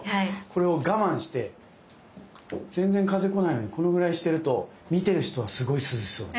これを我慢して全然風こないのにこのぐらいにしてると見てる人はすごい涼しそう。